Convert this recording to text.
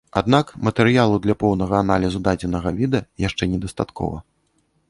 Аднак матэрыялу для поўнага аналізу дадзенага віда яшчэ недастаткова.